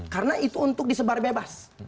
karena itu untuk disebar bebas